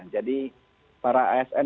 jadi para asn